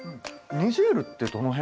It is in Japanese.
ニジェールってどの辺？